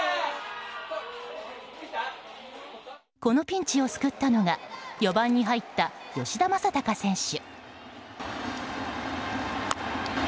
このピンチを救ったのが４番に入った吉田正尚選手。